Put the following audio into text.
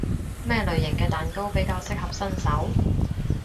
咩類型嘅蛋糕比較適合新手？